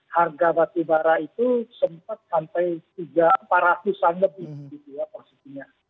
harga batu bara itu sempat sampai tiga ratus empat ratus an lebih gitu ya positinya